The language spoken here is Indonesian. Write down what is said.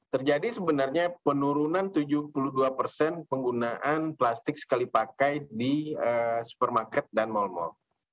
terjadi sebenarnya penurunan tujuh puluh dua persen penggunaan plastik sekali pakai di supermarket dan mal mal